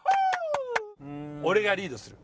俺がリードする。